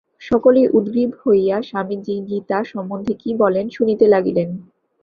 সকলেই উদগ্রীব হইয়া স্বামীজী গীতা সম্বন্ধে কি বলেন, শুনিতে লাগিলেন।